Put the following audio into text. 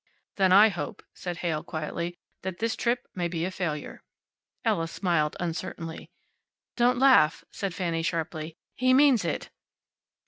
"Then I hope," said Heyl, quietly, "that this trip may be a failure." Ella smiled, uncertainly. "Don't laugh," said Fanny, sharply. "He means it."